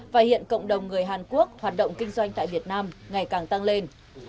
và hiện cộng đồng người hàn quốc hoạt động kinh doanh tại việt nam ngày càng tăng lên